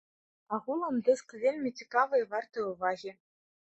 Агулам дыск вельмі цікавы і варты ўвагі.